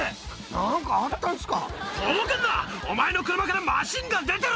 何かあったんすか？